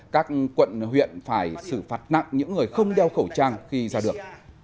các quận huyện phải xử phạt nặng những người không đeo khẩu trang khi ra đường